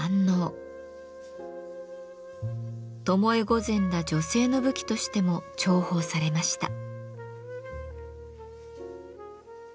巴御前ら女性の武器としても重宝されました。